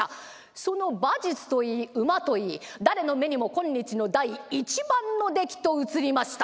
その馬術といい馬といい誰の目にも今日の第一番の出来と映りました。